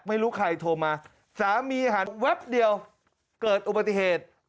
ไม่รู้ใครโทรมาสามีหันแวบเดียวเกิดอุบัติเหตุ